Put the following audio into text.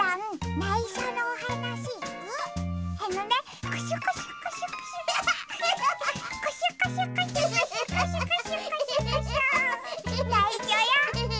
ないしょよ。